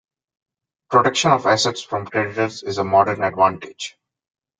Protection of assets from creditors is a modern advantage.